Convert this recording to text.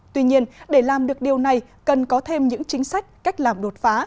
tuy nhiên để làm được điều này cần có thêm những chính sách cách làm đột phá